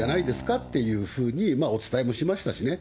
っていうふうに、お伝えもしましたしね。